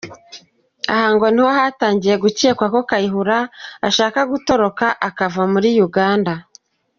Aha ngo niho hatangiye gukekwa ko Kayihura ashaka gutoroka akavamuri Uganda.